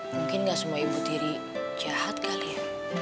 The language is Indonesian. mungkin gak semua ibu tiri jahat kali ya